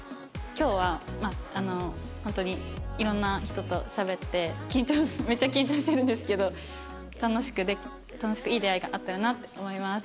今日はあのホントに色んな人としゃべってめっちゃ緊張してるんですけど楽しく楽しくいい出会いがあったらなって思います。